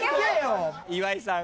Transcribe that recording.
岩井さん